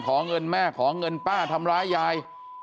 ขอเงินแม่ขอเงินป้าทำร้ายยาย